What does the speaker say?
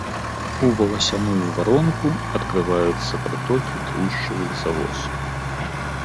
У валасяную варонку адкрываюцца пратокі тлушчавых залоз.